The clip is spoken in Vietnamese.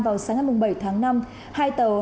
vào sáng hôm bảy tháng năm hai tàu